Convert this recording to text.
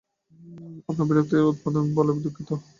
আপনার বিরক্তি উৎপাদন করেছি বলে দুঃখিত।